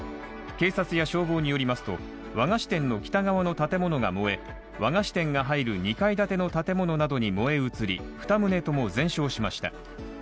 警察や消防によりますと、和菓子店の北側の建物が燃え和菓子店が入る２階建ての建物などに燃え移り２棟とも全焼しました。